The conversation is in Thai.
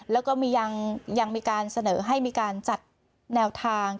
แล้วก็ยังมีการเสนอให้มีการจัดแนวทาง